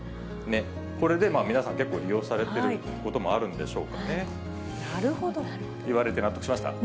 これで皆さん、結構、利用されてることもあるんでしょうかね。なるほど。納得しました。